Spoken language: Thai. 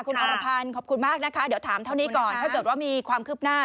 คุณอรพันธ์ขอบคุณมากนะคะเดี๋ยวถามเท่านี้ก่อนถ้าเกิดว่ามีความคืบหน้า